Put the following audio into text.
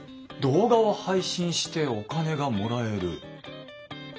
動画を配信してお金がもらえる。